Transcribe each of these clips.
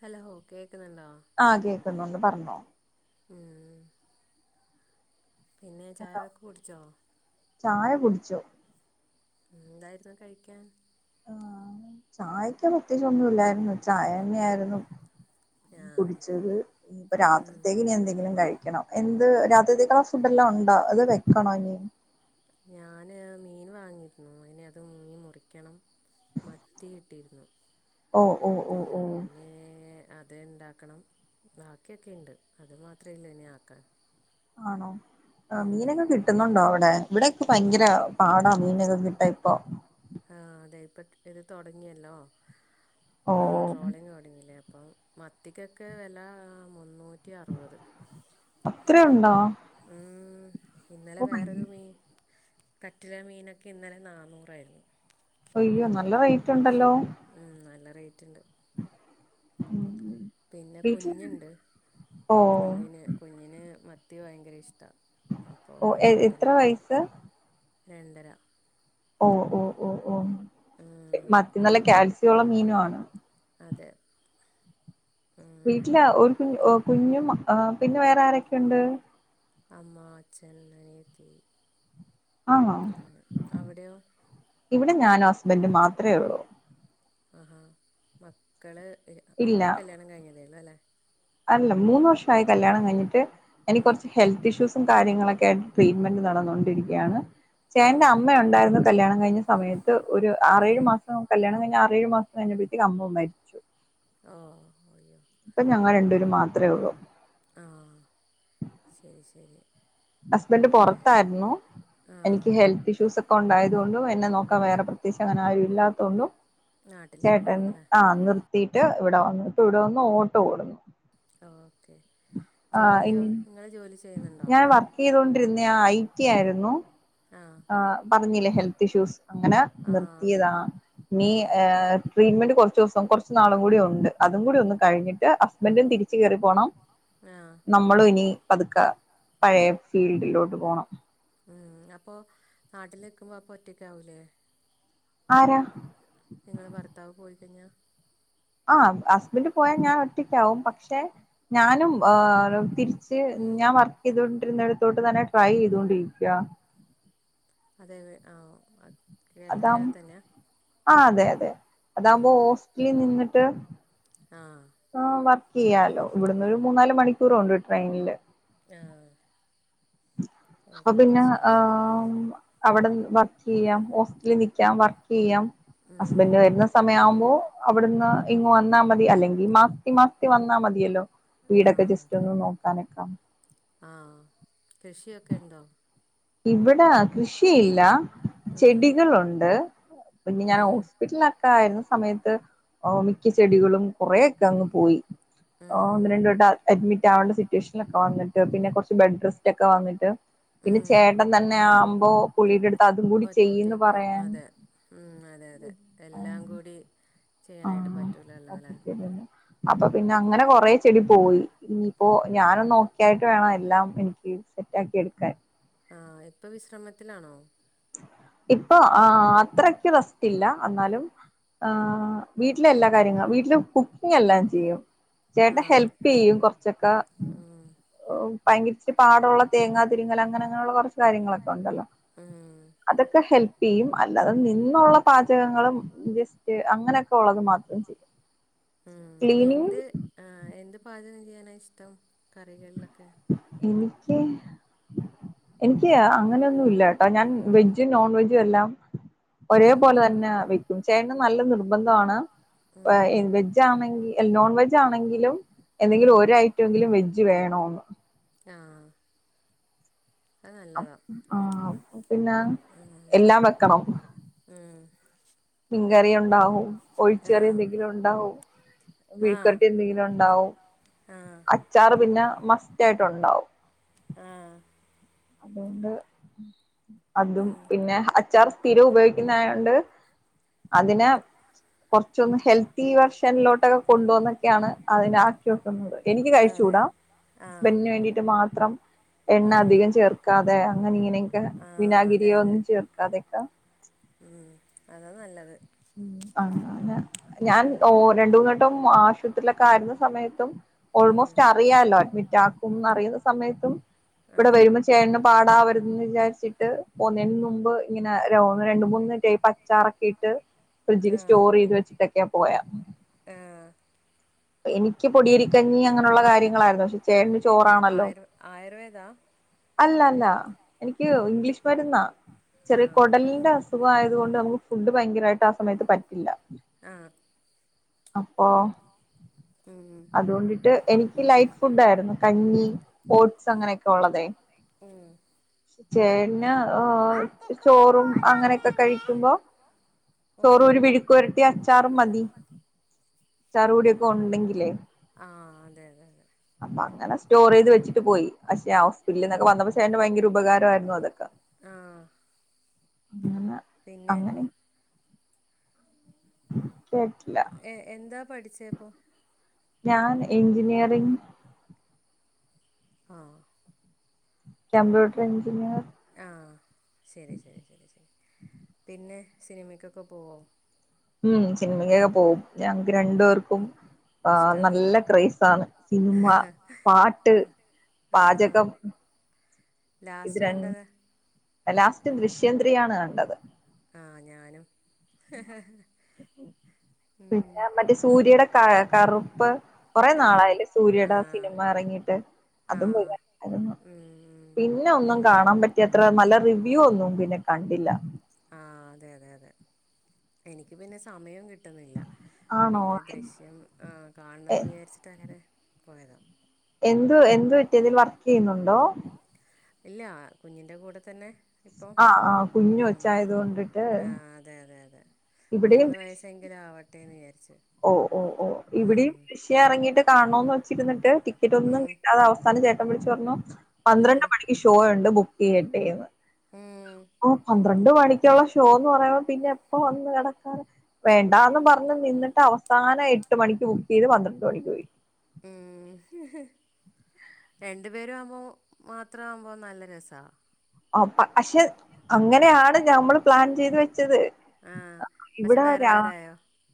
Hello കേക്ണ് ണ്ടോ ആഹ് കേക്കുന്നുണ്ട് പർഞ്ഞോ ഉം പിന്നെ ചായൊക്കെ കുടിച്ചോ ചായ കുടിച്ചു എന്തായിരുന്നു കഴിക്കാൻ ആഹ് ചായയ്ക് പ്രത്യേകിച്ചു ഒന്നുംല്ലായിരുന്നു ചായന്നയായിരുന്നു കുടിച്ചത് ഇനിപ്പ രാത്രിതെയ്ക്കു എന്തെങ്കിലും കഴിക്കണം എന്ത് രാ [unintelligible] ഫുഡ് എല്ലാം ഉണ്ടോ അത് വെക്കോണോഞ്ഞി ഞാന് മീന് വാങ്ങിക്ക്ണ് ഇനി അത് മീൻ മുറിക്കണം മത്തി കിട്ടിരുന്നു പിന്നെ ഏഹ് അത്ണ്ടാക്കണം ബാക്കിയൊക്കെണ്ട് അതു മാത്രല്ലൂ ഇനി ആക്കാൻ ആണോ് ഏഹ് മീനെങ്ങും കി ട്ടുന്നുണ്ടോ അവിടെ ഇവിടെൊക്കെ ഭയങ്കര പാടാ മീനൊക്കെ കിട്ടാ ഇപ്പോ ആഹ് അതെ ഇപ്പ ഇത് തുടങ്ങിയല്ലോ ആ ട്രോളിങ് തുടങ്ങില്ലേ അപ്പം മത്തിക്കൊക്കെ വെല മുന്നൂറ്റി അറുവത് അത്രേണ്ടോ ഉം ഇന്നലെ വേറൊരു മീ കറ്റില മീനൊക്കെ ഇന്നലെ നാന്നൂറായിരുന്നു അയ്യോ നല്ല റേറ്റ് ഉണ്ടല്ലോ ഉമ നല്ല റേറ്റ്ണ്ട് ഉം പിന്നെ കുഞ്ഞുണ്ട് കുഞ്ഞിന് കുഞ്ഞിന് മത്തി ഭയങ്കര ഇഷ്ടമാണ് അപ്പോൾ ഞാൻ പിന്നെ വാങ്ങി രണ്ടര ഓഹ് ഓഹ് ഓഹ് ഓഹ് മത്തി നല്ല കാൽസ്യള്ള മീനുആണ് അതെ വീട്ടില് ഒരു കു ഓ കുഞ്ഞും ഓ പിന്നെ വേറെ ആരൊക്കെയുണ്ട് അമ്മ അച്ഛൻ അനിയത്തി ആഹ് അവിടെയോ ആഹാ മക്കള് ഇപ്പൊ കല്യാണം കഴിഞ്ഞതേള്ളു അല്ലേ അല്ല മൂന്ന് വർഷായി കല്യാണം കഴിഞ്ഞിട്ട്. അയ്നി കൊറ്ച്ച് ഹെൽത്ത് ഇഷ്യൂസ് സും കാര്യങ്ങളൊക്ക ആയിട്ട് ട്രീറ്റ്മെൻറ് നടന്നോണ്ടിരിക്ക്യാണ്. ചേട്ടന്റെ അമ്മ ഉണ്ടായിരുന്നു. കല്യാണം കഴിഞ്ഞ സമയത്ത് ഒരു ആറേഴു മാസം കല്യാണംഴിഞ്ഞ് ആറേഴ് മാസം കഴിഞ്ഞപ്പൊഴേക്ക് അമ്മിം മരിച്ചു. ഓ ഓ ഇപ്പൊ ഞങ്ങൾ രണ്ടുപേരും മാത്രേ ഒള്ളു. ആ ശരി ശരി. ഹസ്ബൻഡ് പൊറത്തായിരുന്നു. എനിക്ക് ഹെൽത്ത് ഇഷ്യൂസ് ഒക്കെ ക്കെ ഉണ്ടായതുകൊണ്ടും എന്നെ നോക്കാൻ വേറെ പ്രത്യയിച്ച് അങ്ങനെ ആരും ഇല്ലാത്തത് കൊണ്ടും. ചേട്ടൻ ആ നിർത്തിയിട്ട് ഇവിടെ വന്നിട്ട് ഇവിടെ വന്ന് ഓട്ടൊ ഓടുന്നു. ഓക്കെ. ജോല്യാെ. ഇങ്ങള് ജോലി ചെയ്യുന്ന്ണ്ടൊ. ചെയ്തോണ്ടിരുന്നേ ആ ഐ ടി ആയിരുന്നു. ആ പറഞ്ഞില്ലെ ഹെൽത്ത് ഇഷ്യൂസ്. അങ്ങനെ നിർത്തിയതാണ്. നി ട്രീറ്റ്മെന്റ് കൊറ്ച്ചോസം കൊറ് ച് നാളും കൂടി ഉണ്ട്. അതും കൂടി ഒന്നും കഴിഞ്ഞിട്ട് ഹസ്ബൻഡ് തിരിച്ച് കേറി പോണം. നമ്മളും ഇനി പതുക്കെ പഴേ ഫീൽഡിലോട്ട് പോണം. ഉം അപ്പൊ നാട്ടില് നിക്കുമ്പം അപ്പൊ ഒറ്റക്കാവൂലെ. നിങ്ങളെ ഭർത്താവ് പോയിക്കയിഞ്ഞാ. ആ ഹസ്ബൻഡറ് പോയ ഞാൻ ഒറ്റിക്കാവും. പക്ഷെ ഞാനും തിരിച്ച് ഞാൻ വർക്ക് ചെയ്തോണ്ടിരുന്നിടത്തോട്ട് തന്നെ ട്രൈ ചെയ്തോണ്ടിരി യ അതെ അതെ ആഹ് അതാവും. ആ അതെ അതെ അതാകുമ്പ് ഓസ്റ്റലിൽ നിന്നിട്ട് ആഹ് ആ വർക്ക് ചെയ്യാലോ. ഇവിടുന്ന് ഒരു മൂന്നാല് മണിക്കൂറുണ്ട് ട്രെയിനില്. ആഹ് അപ്പൊ പിന്നെ അവിടെ വർക്ക് ചെയ്യാം ഹോസ്റ്റലി നി ക്ക്യാം വർക്കെയ്യാം. ഹസ്ബൻഡ് വരുന്ന സമയം ആവുമ്പൊ അവിടുന്ന് ഇങ്ങ് വന്നാമതി അല്ലെങ്കിൽ മാ ഈ മാസത്തി വന്നാ മതിയല്ലോ. വീടൊക്കെ ജസ്റ്റ് ഒന്ന് നോക്കാനൊക്ക ആ കൃഷിയൊക്കെ ഇണ്ടോ. ഇവെടെ കൃഷിയില്ല. ചെടികളുണ്ട്. പിന്നെ ഞാൻ ഹോസ്പിറ്റലില ആയിരുന്ന സമയത്ത് മിക്ക ചെടികളും കൊറേക്ക അങ്ങ് പോയി. ഒന്ന് രണ്ട് വെട്ടം അഡ്മിറ്റ് ആവെണ്ട സിറ്റുവേഷൻ ഒക്കെ വന്നിട്ട്. പിന്നെ കൊറ്ച്ച് ബെഡ് റെസ്റ്റ് ഒക്കെ വന്നിട്ട്. ചേട്ടൻ തന്നെ ആകുമ്പോ പുളിടടുത്ത് അതും കൂടി ചെയ്യ്ന്ന് പറയാന്. ഉം അതെ അതെ. എല്ലാം കൂടി ചെയ്യാനായിട്ട് പറ്റൂലല്ലൊലെ. അപ്പൊ പിന്നെ അങ്ങനെ കൊറേ ചെടി പോയി. ഇനിയിപ്പോ ഞാന് ഒന്ന് ഓക്കെയായിട്ട് വേണം എല്ലാം എനിക്ക് സീറ്റ് സെറ്റ് ആക്കി എടുക്കാൻ. ആ ഇപ്പൊ വിശ്രമത്തിലാണോ. ഇപ്പൊ ആ അത്രക്ക് റസ്റ്റില്ല. അന്നാലും. ആ വീട്ടില് എല്ലാ കാര്യങ്ങളും വീട്ടില് കുക്കിങ് എല്ലാം ചെയ്യും. ചേട്ടൻ ഹെൽപ്പെയ്യും കൊറ്ച്ചൊക്കെ ഭയങ്കിരിച്ചിരി പാടുള്ള തേങ്ങാ തിരിങ്ങൽ അങ്ങനെ അങ്ങനെയുള്ള കൊറ്ച്ച് കാര്യങ്ങളൊക്കെ ഒണ്ടല്ലോ. ആഹ്. അതെക്കെ ഹെൽപ്പെയ്യും അല്ലാതെ നിന്നുള്ള പാചകങ്ങളും. ജസ്റ്റ് അങ്ങനൊക്കെ ഒള്ളത് മാത്രം ചെയ്യും. ഉം എന്ത് ആഹ് എന്ത് പാചകം ചെയ്യാനാ ഇഷ്ടം കറികളിലൊക്കെ. എനിയ്ക്ക്യ്. എന്ക്കി അങ്ങനൊന്നുല്ലാട്ടോ ഞാൻ വെജ്ജും നോൺ വെജ്ജു എല്ലാം. ഒരേ പോലെ തന്നെ വെയ്ക്കും ചേട്ടന് നല്ല നിർ ബന്ധാണ് വെജ്ജ് ആണെങ്കി നോൺ വെജ് ആണെങ്കിലും എന്തെങ്കിലും ഒരു ഐ റ്റെങ്കിലും വെജ്ജ് വേണോന്ന്. ആഹ്. അപ്പ് ആഹ് അപ്പൊ പിന്നെ. ഉം എല്ലാം വെക്കണോ ഉം. മീൻകറി ഒണ്ടാവും ഒഴിച്ച് കറി എന്തെങ്കിലും ഒണ്ടാവും. മെഴുക് വരട്ടി എന്തെങ്കിലും ഒണ്ടാവും അച്ചാറ് പിന്നെ മസ്റ്റ് ആയിട്ടൊണ്ടാവും. ആഹ്. അതു കൊണ്ട് അതും പിന്നെ അച്ചാറ് സ്ഥിരം ഉപയോഗിക്കുന്ന ആയോണ്ട്. അതിനെ. കൊറ്ച്ചൊന്ന് ഹെൽത്തി വേർഷന്ലോട്ടൊക്കെ കൊണ്ടുവന്നൊക്കെയാണ് അതിന ക്കി വെക്കുന്നത് എനിക്കി കഴിച്ചൂട ഹസ്ബന്റിന് വേണ്ടീട്ട് മാത്രം എണ്ണ അധികം. ചേർക്കാതെ അങ്ങനെ ഇങ്ങനെയൊക്കെ വിനാഗിരിയോന്നും ചേർക്കാതെക്കെ. ഉം അതാ നല്ലത്. ഉം അങ്ങനെ. ഞാൻ ഓ രണ്ട് മൂന്നെട്ടം ആശുപത്രിയിലൊക്കെ ആയിരുന്ന സമയത്തും ഓൾമോസ്റ്റ് അറിയാലോ അഡ്മിറ്റ് ആ ക്കും അറിയുന്ന സമയത്തും ഇവിടെ വരുമ്പം ചേട്ടന് പാടാവരുതെന്ന് വിചാരിച്ചിട്ട് പോവുന്നെന് നുമ്പ് ഇങ്ങനെ രണ്ട് മൂന്ന് ടൈപ്പ് അച്ചാറൊക്കെ ഇട്ട് ഫ്രിഡ്ജില് സ്റ്റോറ് ചെയ്ത് വെച്ചിട്ടൊക്കെയാ പോയാ. ഏഹ് എനിക്ക് പൊടിയിരി ക്കഞ്ഞി അങ്ങനുള്ള കാര്യങ്ങളായിരുന്നു പക്ഷെ ചേട്ടന് ചോറാണല്ലോ അല്ലല്ല എനിക്ക് ഇംഗ്ലീഷ് മരുന്നാ. ചെറിയ കൊടല്ന്റെ അസുഖായത് കൊണ്ട് നമുക്ക് ഫുഡ് ഭയങ്കരായിട്ട് ആഹ് സമയത്ത് പറ്റില്ല. ആഹ്. അപ്പോ. ഉം. അതു കൊണ്ടിട്ട് എനിക്ക് ലൈറ്റ് ഫുഡായിരുന്നു കഞ്ഞി ഓട്ട്സ് അങ്ങനെയൊക്കെ ഒള്ളതേ. ഉം. ചേട്ട്ന് ഓഹ് ചോറും അങ്ങനെയൊക്കെ കഴിയ്ക്കുമ്പോ ചോറും ഒരു മെഴുക് വരട്ടി അച്ചാറും മതി ച്ചാറും കൂടി ക്കൊണ്ടെങ്കിലേ. ആഹ് അതെ അതെ അതെ. അപ്പങ്ങനെ സ്റ്റോറെയ്ത് വെച്ചിട്ട് പോയി പക്ഷെ ആ ഹോസ്പിറ്റലിന്നൊക്കെ വന്നപ്പോ ചേട്ടന് ഭയങ്കര ഉപകാരമായിരുന്നു അതൊക്കെ. ആഹ്. അങ്ങനെ. പിന്നെ. കേട്ട്ല്ല. എന്താ പഠിച്ചേ അപ്പോ? ഞാൻ എഞ്ചിനീയറിംഗ് ആഹ് കമ്പ്യൂട്ടർ എഞ്ചിനിയയർ ആഹ് ശരി ശരി ശരി ശരി പിന്നെ സിനിമക്കൊക്കെ പോവോ ഉം സിനിമയ്ക്കൊക്കെ പോകും ഞങ്ങക്ക് രണ്ടുപേർക്കും ആ നല്ല ക്രേസ് ആണ് സിനിമ പാട്ട് ആഹ് ലാസ്റ്റ് കണ്ടത് ലാസ്റ്റ് ദൃശ്യം ത്രീയാണ് കണ്ടത് ആഹ് ഞാനും പിന്നെ മറ്റേ സൂര്യയുടെ ക കറുപ്പ് കുറെ നാളായില്ലേ സൂര്യയുടെ ആ സിനിമ ഇറങ്ങിയിട്ട് അതും പോയിരുന്നു പിന്നെ ഒന്നും കാണാൻ പറ്റിയ അത്ര നല്ല റിവ്യൂ ഒന്നും പിന്നെ കണ്ടില്ല ആ അതെ അതെ അതെ എനിക്ക് പിന്നെ സമയം കിട്ടുന്നില്ല പിന്നെ ദൃശ്യം ആ കാണണംന്ന് വിചാരിച്ചിട്ട് അങ്ങനെ പോയതാ എന്ത് എന്ത് പറ്റിയതിൽ വർക്ക് ചെയ്യുന്നുണ്ടോ ഇല്ല കുഞ്ഞിന്റെ കൂടെ തന്നെ ഇപ്പം ഉം ആ അതെ അതെ അതെ മൂന്ന് വയസ്സെങ്കിലും ആവട്ടെന്ന് വിചാരിച്ചു ഓ ഓ ഓ ഇവിടെയും ദൃശ്യം ഇറങ്ങിയിട്ട് കാണോന്ന് വെച്ചിരുന്നിട്ട് ടിക്കറ്റ് ഒന്നും കിട്ടാതെ അവസാനം ചേട്ടൻ വിളിച്ച് പറഞ്ഞു പന്ത്രണ്ട് മണിക്ക് ഷോ ഉണ്ട് ബുക്ക് ചെയ്യട്ടെന്ന് ആ പന്ത്രണ്ട് മണിക്കുള്ള ഷോ എന്ന് പറയുപോ പിന്നെ എപ്പ വന്ന് കെടക്കാനാ വേണ്ടാന്ന് പറഞ്ഞ് നിന്നിട്ട് അവസാനം എട്ട് മണിക്ക് ബുക്ക് ചെയ്ത് പന്ത്രണ്ട് മണിക്ക് പോയി ഉം ഉം രണ്ടു പേര് ആവുമ്പോൾ മാത്രം ആവുമ്പോൾ നല്ല രസമാ അ പക്ഷെ അങ്ങനെയാണ് നമ്മൾ പ്ലാൻ ചെയ്ത് വെച്ചത് ഇവിടെ രാവി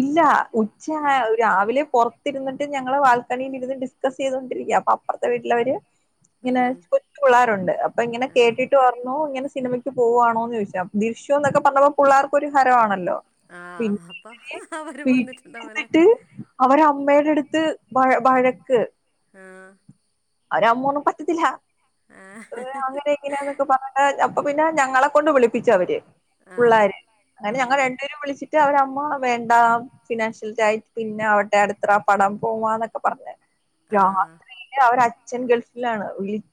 ഇല്ല ഉച്ചയാ രാവിലെ പുറത്തിരിന്നിട്ട് ഞങ്ങള് ബാൽക്കണിയി ഇരുന്ന് ഡിസ്കസ് ചെയ്തൊണ്ടിരിക്ക അപ്പൊ അപ്പുറത്തെ വീട്ടിലവര് ഇങ്ങനെ കൊച്ചു പിളളാരുണ്ട് അപ്പൊ ഇങ്ങനെ കേട്ടിട്ട് ട്ട് പറഞ്ഞോ ഇങ്ങനെ സിനിമയ്ക്ക് പോകവാണോന്ന് ചോദിച്ചാ ദിശൃം എന്നൊക്കെ പറഞ്ഞപ്പോൾ പിള്ളേർക്ക് ഒരു ഹരമാണല്ലോ പിന്നെ ഇവര് വീട്ടിൽ ചെന്നിട്ട് അവരുടെ അമ്മയുടെ അടുത്ത് വ വഴക്ക് ആഹ് ഒ അവരുടെ അമ്മ പറഞ്ഞ് പറ്റത്തില്ല അങ്ങനെ നന്നൊക്കെ പറഞ്ഞ് അപ്പൊ പിന്നെ ഞങ്ങളെ കൊണ്ട് വിളിപ്പിച്ചു അവര് പുള്ളാര് അങ്ങനെ ഞങ്ങൾ രണ്ടുപേരും വിളിച്ചിട്ട് അവരുടെമ്മ വേണ്ട ഫിനാൻഷ്യൽ ആയിട്ട് പിന്നെ അവട്ടെ അടുത്ത പടം പോവാന്നൊക്കെ പറഞ്ഞ് രാത്രി അവരുടെ അ അച്ഛൻ ഗൾഫിലാണ്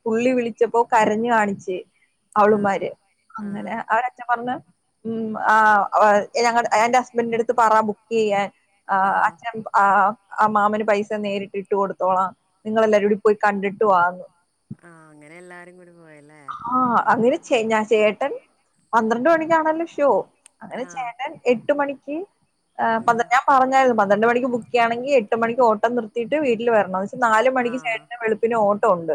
പുള്ളി വിളിച്ചപ്പോ കരഞ്ഞു കാണിച്ച് അവളുമാര് അങ്ങനെ അവരച്ഛൻ പറഞ്ഞ് ഉ ആ ഞങ്ങ എന്റെ ഹസ്ബൻന്റെ അടുത്ത് പറ ബുക്ക് ചെയ്യാൻ ആഹ് അച്ഛ ആ ആ മാമന് പൈസ നേരിട്ട് ഇട്ട് കൊടുത്തോളാം നിങ്ങളെല്ലാവരും കൂടി പോയി കണ്ടിട്ടു വാ ആഹ് അങ്ങനെ എല്ലാരും കൂടി പോയല്ലേ ആ അങ്ങനെ ചേ ചേട്ടൻ പന്ത്രണ്ട് മണിക്കാണല്ലോ ഷോ അങ്ങനെ ചേട്ടൻ എട്ടു മണിക്ക് എഹ് പന്ത്ര ഞാൻ പറഞ്ഞായിരുന്നു പന്ത്രണ്ട് മണിക്ക് ബുക്കെയ്യാണെങ്കി എട്ട് മണിക്ക് ഓട്ടം നിർത്തിയിട്ട് വീട്ടില് വരണംന്ന് എന്ന് വൊച്ച നാല് മണിക്ക് ആഹ് അപ്പപിന്നെ ഓട്ടോ ഉണ്ട്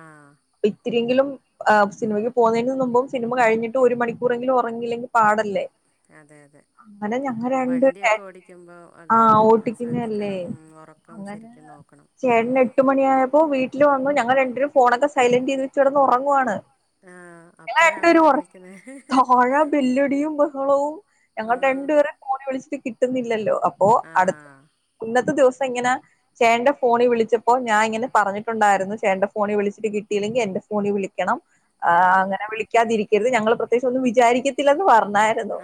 ആഹ് അപ്പ ഇത്തിരിയെങ്കിലും ആഹ് സിനിമയ്ക്ക് പോന്നേന് മുമ്പും സിനിമ കഴിഞ്ഞിട്ട് ഒരു മണിക്കൂറെങ്കിലും ഒറങ്ങിയില്ലെങ്കി പാടല്ലേ? അതെ അതെ വണ്ടിയൊക്കെ ഓടിക്കുമ്പോ അതെ അതെ അത് ശ്രദ്ധിക്കണം ഉം ഒറക്കം ശരിക്കും നോക്കണം ചേട്ടന് എട്ട് മണിയായപ്പോ വീട്ടില് വന്നു ഞങ്ങൾ രണ്ടും പേരും ഫോണക്കെ സൈലന്റ് കെടന്ന് ഒറങ്ങുവാണ് ഞ്ഞങ്ങള് രണ്ട് പേരും ഒറങ്ങാള് താഴെ ബില്ലടിയും ബഹളവും ഞങ്ങളെ രണ്ടുപേരേം ഫോണി വിളിച്ചിട്ട് കിട്ടുന്നില്ലല്ലോ അപ്പോ അടുത്ത് ഇന്നത്തെ ദിവസം ഇങ്ങനെ ചേട്ടന്റെ ഫോണി വിളിച്ചപ്പോ ഞാ ഇങ്ങനെ പറഞ്ഞിട്ടുണ്ടാരുന്നു ചേട്ടന്റെ ഫോണി വിളിച്ചിട്ട് കിട്ടിയില്ലെങ്കി എന്റെ ഫോണി വിളി ക്കണം ഏഹ് അങ്ങനെ വിളിക്കാതിരിക്കരുത് ഞങ്ങള് പ്രത്യേകിച്ച് ഒന്നും വിചാരി ക്കത്തില്ലെന്ന് പറഞ്ഞായിരുന്നു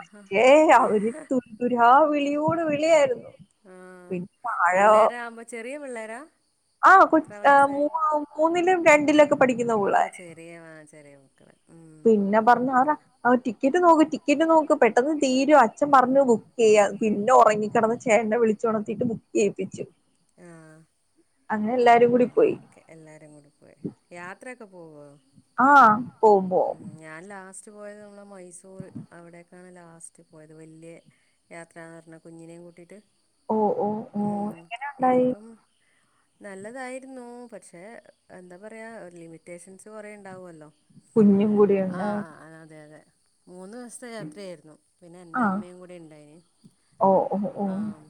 പക്ഷേ അവര് തു ര് തുരാ വിളിയോട് വിളിയാരുന്നു ആഹ് പിള്ളേരാകുമ്പോ ചെറിയ പിള്ളേരാ ആഹ് കൊ ആ മൂന്നിലും രണ്ടിലൊക്കെ പഠിക്കുന്ന പുള്ളാര് പിന്നെ പറഞ്ഞ് ആറ് ടിക്കറ്റ് നോക്ക് ടിക്കറ്റ് നോക്ക് പെട്ടെന്ന് തീരും അച്ഛൻ പറഞ്ഞു ബുക്ക് ചെയ്യാന്ന് പിന്നെ ഒറങ്ങി ക്കെടന്ന ചേട്ടനെ വിളിച്ച് ഒണർത്തീട്ട് ബുക്ക് ചെയ്യിപ്പിച്ചു ആഹ് അങ്ങനെല്ലാരും ഓക്കെ എല്ലാരും കൂടി പോയി യാത്രയൊക്കെ പോവോ? ആഹ് പോവും ഉം ഞാൻ ലാസ്റ്റ് പോയത് നമ്മടെ മൈസൂര് അവിടേക്കാണ് ലാസ്റ്റ് പോയത് വല്ല്യ യാത്ര പറഞ്ഞേ കുഞ്ഞിനേം കൂട്ടിയിട്ട് ഉം ഇനിയിപ്പം നല്ല തായിരുന്നു പക്ഷെ എന്താ പറയാ ഒരു ലിമിറ്റേഷൻസ് കൊറേ ഇണ്ടാവൊല്ലോ ആഹ് ആഹ് അതെ അതെ മൂന്ന് ദിവസത്തെ യാത്രയായിരുന്നു പിന്നെ എന്റെ അമ്മയും കൂടെ ഇണ്ടായിന് ആഹ്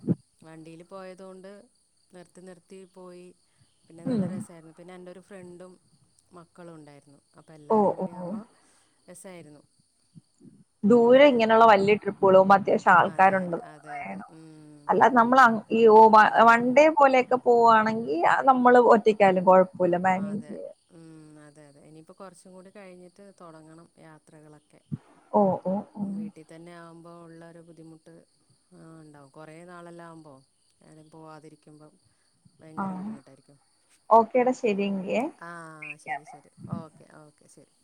വണ്ടിയില് പോയത് കൊണ്ട് നിർത്തി നിർത്തി പോയി പിന്നെ നല്ല രസായിരുന്നു പിന്നെ എൻ്റെ ഒരു ഫ്രണ്ടും മക്കളും ഒണ്ടായിരുന്നു അപ്പം എല്ലാരും കൂടി ആവുമ്പം രസായിരുന്നു ദൂരെ ഇങ്ങനെയുള്ള വല്ല്യ ട്രിപ്പുകള് പോവുമ്പോ അത്യാവിശ്യം ആൾക്കാരുണ്ട് വേണം അല്ലാതെ നമ്മള് അ ഈ ഓ വ വൺഡേ പോലെയൊക്കെ പോവാണെങ്കി നമ്മള് ഒറ്റക്കായലും കൊഴപ്പമില്ല മാനേജ് ചെയ്യാ ഉം അതെ അതെ ഇനിയിപ്പോ കുറച്ചും കൂടി കഴിഞ്ഞിട്ട് തൊടങ്ങണം യാത്രകളൊക്കെ വീട്ടി തന്നെ ആകുമ്പോ ഉള്ളൊരു ബുദ്ധിമുട്ട് ആഹ് ഇണ്ടാവും കൊറേ നാളെല്ലാകുമ്പോ ഏടീം പോവാതിരിക്കുമ്പോ ഭയങ്കര ബുദ്ധിമുട്ടായിരിക്കും ഓക്കെ ഡാ ശരിയെങ്കിയേ? ആഹ് ശരി ശരി ഓക്കെ ഓക്കെ ശരി